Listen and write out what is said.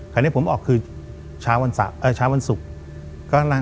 คันนี้ผมออกคือเช้าวันศุกร์